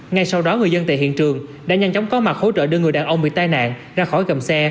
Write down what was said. ngay sau đó người dân tại hiện trường đã nhanh chóng có mặt hỗ trợ đưa người đàn ông bị tai nạn ra khỏi gầm xe